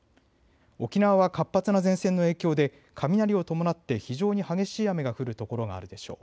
沖縄は活発な前線の影響で雷を伴って非常に激しい雨が降る所があるでしょう。